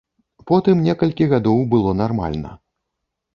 Потым некалькі гадоў было нармальна.